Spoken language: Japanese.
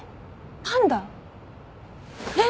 パンダ？えっ！？